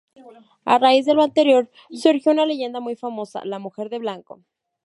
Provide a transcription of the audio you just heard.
A raíz de lo anterior, surgió una leyenda muy famosa, La Mujer de Blanco.